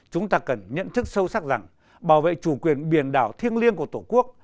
chúng ta cần nhận thức sâu sắc rằng bảo vệ chủ quyền biển đảo thiêng liêng của tổ quốc